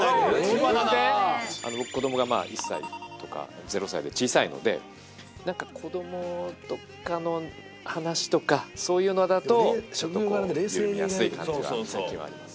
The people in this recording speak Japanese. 僕子どもが１歳とか０歳で小さいのでなんか子どもとかの話とかそういうのだとちょっとこう緩みやすい感じは最近はあります。